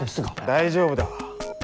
大丈夫だ。